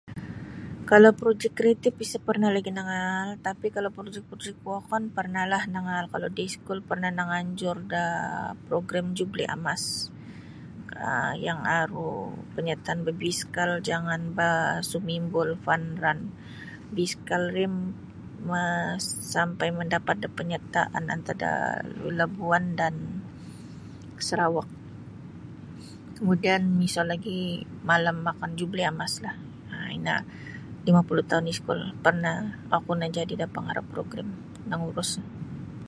Kalau projik kreatif isa parnah lagi' nangaal tapi kalau projik-projik wokon parnahlah nangaal kalau da iskul parnah nanganjur daa program jubli amas um yang aru panyartaan babiskal jangan ba sumimbul fun run biskal ri mas sampai mandapat da panyartaan antad da Labuan dan Sarawak. Kemudian miso lagi malam makan jubli amaslah ino lima puluh taun iskul parnah oku najadi da pangarah progrim nangurus.